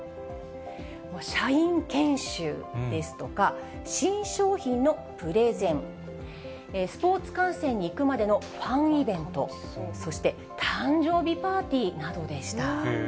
社員研修ですとか、新商品のプレゼン、スポーツ観戦に行くまでのファンイベント、そして、誕生日パーティーなどでした。